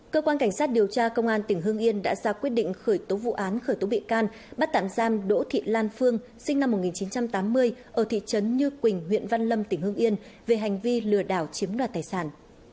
cơ quan cảnh sát điều tra công an tỉnh hương yên đã ra quyết định khởi tố vụ án khởi tố bị can bắt tạm giam đỗ thị lan phương sinh năm một nghìn chín trăm tám mươi ở thị trấn như quỳnh huyện văn lâm tỉnh hương yên về hành vi lừa đảo chiếm đoạt tài sản